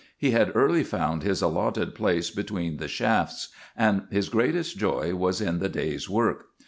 He had early found his allotted place between the shafts, and his greatest joy was in the day's work.